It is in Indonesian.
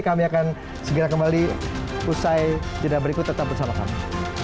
kami akan segera kembali usai jeda berikut tetap bersama kami